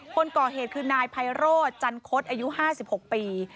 คนก่อเหตุคือนายไพโรธจันคดอายุ๕๖ปี